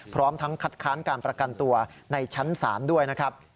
พร้อมทั้งคัดค้านการประกันตัวในชั้นศาลด้วยนะครับ